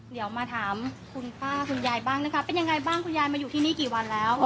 เดี๋ยวมาถามคุณป้าคุณยายบ้างนะคะเป็นยังไงบ้างคุณยายมาอยู่ที่นี่กี่วันแล้ว